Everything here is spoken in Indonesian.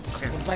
sampai jumpa nek